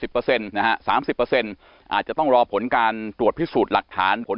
๓๐อาจจะต้องรอผลการตรวจพิสูจน์หลักฐานผล